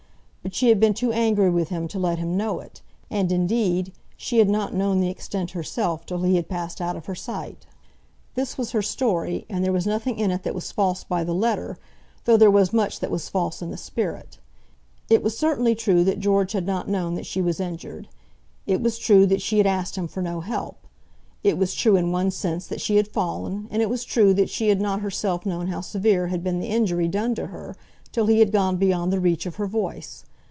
But she had been too angry with him to let him know it; and, indeed, she had not known the extent herself till he had passed out of her sight. This was her story; and there was nothing in it that was false by the letter, though there was much that was false in the spirit. It was certainly true that George had not known that she was injured. It was true that she had asked him for no help. It was true, in one sense, that she had fallen, and it was true that she had not herself known how severe had been the injury done to her till he had gone beyond the reach of her voice.